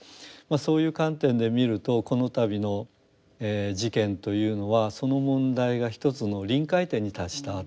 そういう観点で見るとこの度の事件というのはその問題が一つの臨界点に達したと。